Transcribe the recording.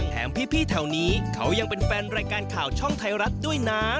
แถมพี่แถวนี้เขายังเป็นแฟนรายการข่าวช่องไทยรัฐด้วยนะ